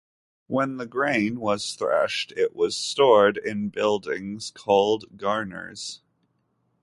When the grain was threshed, it was stored in buildings called garners.